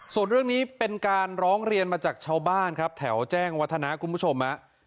ส่วนเรื่องนี้เป็นการร้องเรียนมาจากชาวบ้านครับแถวแจ้งวัฒนะคุณผู้ชม